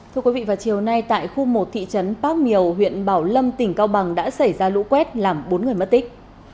thưa quý vị vào chiều nay tại khu một thị trấn bác miều huyện bảo lâm tỉnh cao bằng đã xảy ra lũ quét làm bốn người mất tích